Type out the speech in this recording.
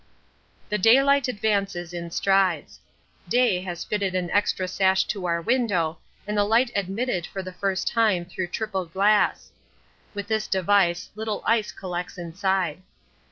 The daylight advances in strides. Day has fitted an extra sash to our window and the light admitted for the first time through triple glass. With this device little ice collects inside.